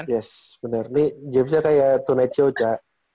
yes bener ini gamesnya kayak tunecho cak